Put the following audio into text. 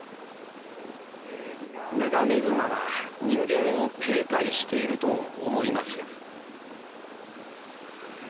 メガネグマは人間を警戒していると思います。